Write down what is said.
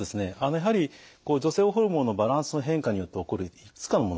やはり女性ホルモンのバランスの変化によって起こるいくつかのもの